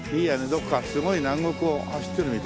どこかすごい南国を走ってるみたいな。